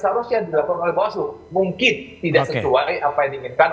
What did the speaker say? seharusnya dilaporkan oleh bawah seluruh mungkin tidak sesuai apa yang diinginkan